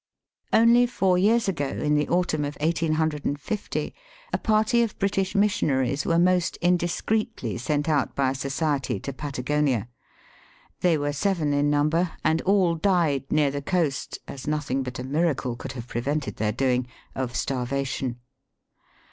Only four years ago, in the autumn of eighteen hundred and fifty, a party of British missionaries were most indiscreetly sent out by a Society, to Patagonia. They were seven in number, and all uied near the coast (as nothing but a miracle could have prevented their doing), of starvation.